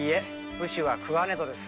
「武士は食わねど」です。